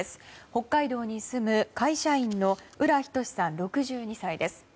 北海道に住む会社員の浦仁志さん、６２歳です。